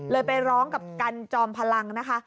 เลยไปร้องกับคุณกันจอมพลังนะคะ